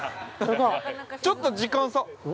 ちょっと時間差◆